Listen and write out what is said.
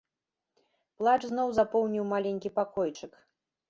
Плач зноў запоўніў маленькі пакойчык.